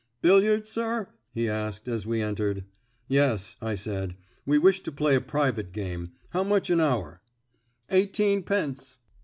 "Billiards, sir?" he asked, as we entered. "Yes," I said, "we wish to play a private game. How much an hour?" "Eighteenpence."